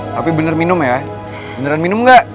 tapi bener minum ya beneran minum enggak